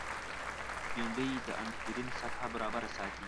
بېنډۍ د انسولین سطحه برابره ساتي